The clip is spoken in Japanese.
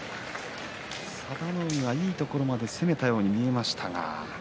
佐田の海はいいところまで攻めたように見えましたが。